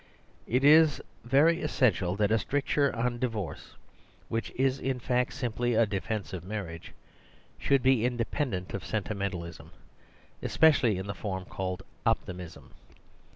It is very essential that a stricture on di vorce, which is in fact simply a defence of marriage, should be independent of sentimen talism, especially in the form called optimism.